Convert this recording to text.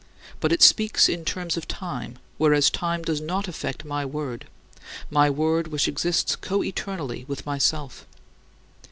But it speaks in terms of time, whereas time does not affect my Word my Word which exists coeternally with myself.